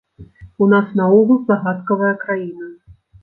У нас наогул загадкавая краіна.